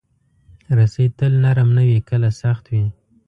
رسۍ تل نرم نه وي، کله سخت وي.